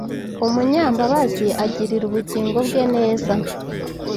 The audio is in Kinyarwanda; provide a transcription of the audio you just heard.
umunyambabazi agirira ubugingo bwe neza